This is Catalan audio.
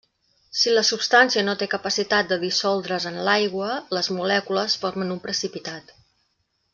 Si la substància no té capacitat de dissoldre's en l'aigua, les molècules formen un precipitat.